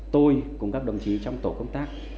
tôi cùng các đồng chí trong tổ công tác